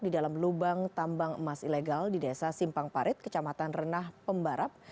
di dalam lubang tambang emas ilegal di desa simpang parit kecamatan renah pembarap